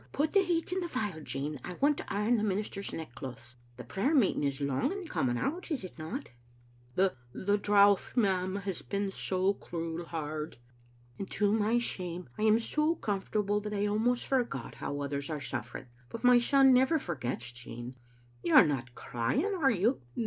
Put the heater in the fire, Jean. I want to iron the minister's neckcloths. The prayer meeting is long in coming out, is it not?" "The — the drouth, ma'am, has been so cruel hard." "And, to my shame, I am so comfortable that I almost forgot how others are suffering. But my son never forgets, Jean. You are not crying, are you?"